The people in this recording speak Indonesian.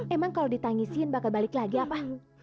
emang kalau ditangisin bakal balik lagi apa